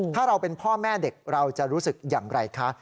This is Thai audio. ถ้าเราเป็นพ่อแม่เด็กเราจะรู้สึกอย่างไรคะ